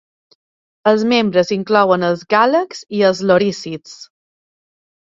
Els membres inclouen els gàlags i els lorísids.